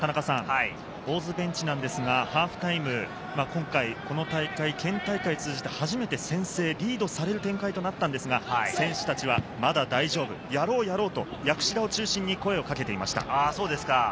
大津ベンチですが、ハーフタイム、今回、この大会は県大会を通じて初めて先制、リードされる展開となったんですが、選手たちはまだ大丈夫、やろうやろうと薬師田を中心に声をかけていました。